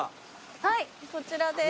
はいこちらです。